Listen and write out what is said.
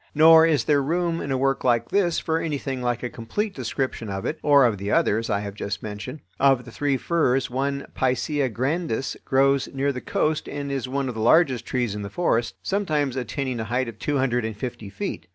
Nor is there room in a work like this for anything like a complete description of it, or of the others I have just mentioned. Of the three firs, one (Picea grandis), grows near the coast and is one of the largest trees in the forest, sometimes attaining a height of two hundred and fifty feet.